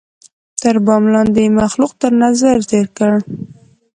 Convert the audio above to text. تر بام لاندي یې مخلوق تر نظر تېر کړ